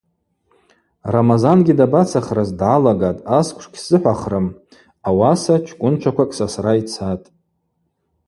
Рамазангьи дабацахрыз – дгӏалагатӏ: – Асквш гьсзыхӏвахрым, ауаса чкӏвынчваквакӏ сасра йцатӏ.